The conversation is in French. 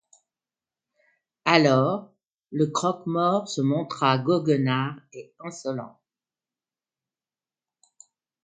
Alors, le croque-mort se montra goguenard et insolent.